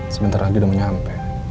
sebentar lagi udah menyampe